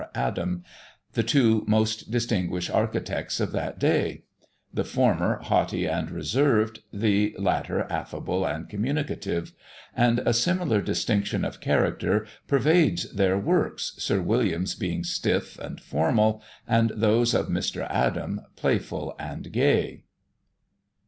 Adam, the two most distinguished architects of that day; the former haughty and reserved, the latter affable and communicative; and a similar distinction of character pervades their works, Sir William's being stiff and formal, and those of Mr. Adam, playful and gay.